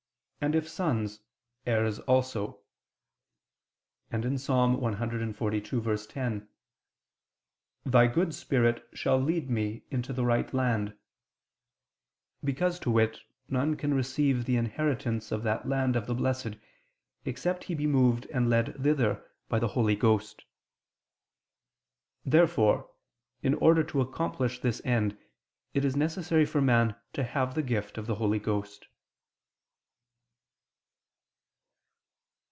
. and if sons, heirs also": and Ps. 142:10: "Thy good Spirit shall lead me into the right land," because, to wit, none can receive the inheritance of that land of the Blessed, except he be moved and led thither by the Holy Ghost. Therefore, in order to accomplish this end, it is necessary for man to have the gift of the Holy Ghost.